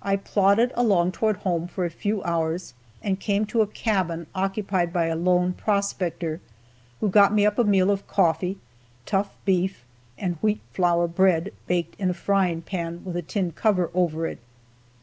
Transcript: I plodded along toward home for a few hours, and came to a cabin occupied by a lone prospector, who got me up a meal of coffee, tough beef and wheat flour bread, baked in a frying pan with a tin cover over it.